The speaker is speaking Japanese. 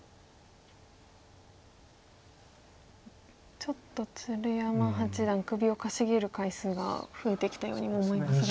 ちょっと鶴山八段首をかしげる回数が増えてきたようにも思いますが。